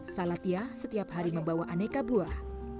salatia setiap hari membawa aneka buah